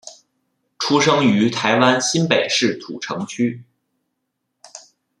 出生于台湾新北市土城区。